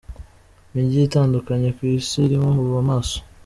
mijyi itandukanye ku Isi irimo ubu amaso.